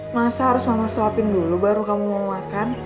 masa harus mama suapin dulu baru kamu mau makan